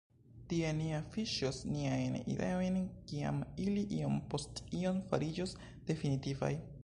Tie ni afiŝos niajn ideojn, kiam ili iom post iom fariĝos definitivaj.